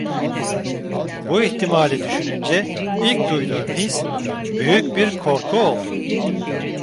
Bu ihtimali düşününce ilk duyduğum his, büyük bir korku oldu.